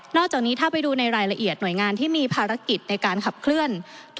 อกจากนี้ถ้าไปดูในรายละเอียดหน่วยงานที่มีภารกิจในการขับเคลื่อน